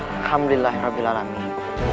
alhamdulillah rabbil alamin